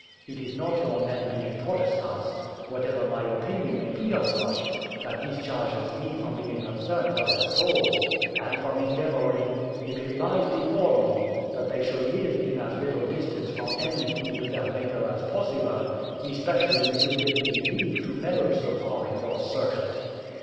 It is not your men being Protestants, whatever my opinion may be of such, that discharges me from being concerned for their souls, and from endeavouring, if it lies before me, that they should live in as little distance from enmity with their Maker as possible, especially if you give me leave to meddle so far in your circuit."